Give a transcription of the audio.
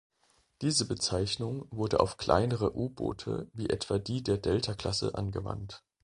Diese Bezeichnung wurde auf kleinere U-Boote wie etwa die der Delta-Klasse angewandt.